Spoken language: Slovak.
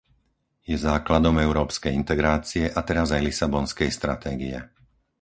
Je základom európskej integrácie a teraz aj lisabonskej stratégie.